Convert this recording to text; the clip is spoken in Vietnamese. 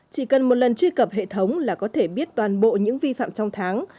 chỉ cần một lần truy cập hệ thống là có thể biết toàn bộ những vi phạm trong tháng